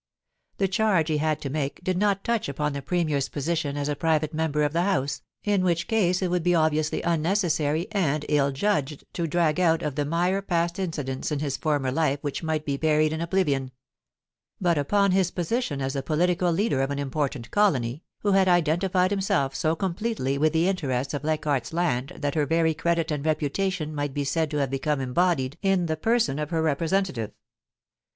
The charge he had to make did not touch upon the Premier's position as a private member of the House, in which case it would be obviously unnecessary and ill judged to drag out of the mire past incidents in his former life which might be buried in oblivion ; but upon his position as the political leader of an important colony, who had identified himself so completely with the interests of Leichardt's Land that her very credit and reputation might be said to have become embodied in the person of her representative.